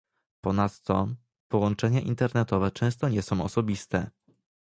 Ponadto, połączenia internetowe często nie są osobiste